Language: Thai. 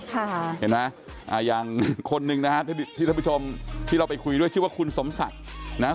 เห็นไหมอ่าอย่างคนหนึ่งนะฮะที่ท่านผู้ชมที่เราไปคุยด้วยชื่อว่าคุณสมศักดิ์นะฮะ